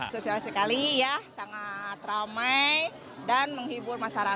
sosial sekali ya sangat ramai dan menghibur masyarakat